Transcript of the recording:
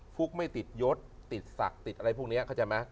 ฟุ๊กไม่ติดยศติดศักดิ์ติดอะไรพวกนี้เข้าใจไหม